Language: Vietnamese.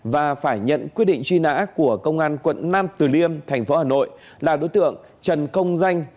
và phải nhận quyết định truy nã của công an quận nam từ liêm thành phố hà nội là đối tượng trần công danh